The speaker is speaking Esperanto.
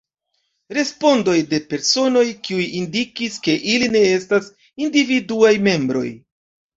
Respondoj de personoj, kiuj indikis, ke ili ne estas individuaj membroj.